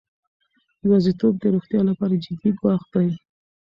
یوازیتوب د روغتیا لپاره جدي ګواښ دی.